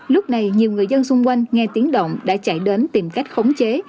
lúc này nhiều người dân xung quanh nghe tiếng động đã chạy đến tìm cách khống chế